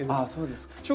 そうですか。